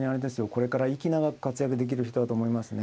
これから息長く活躍できる人だと思いますね。